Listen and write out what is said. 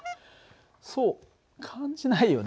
そう感じないよね。